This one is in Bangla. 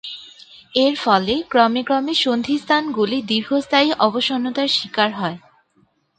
এর ফলে ক্রমে ক্রমে সন্ধিস্থানগুলি দীর্ঘস্থায়ী অবসন্নতার শিকার হয়।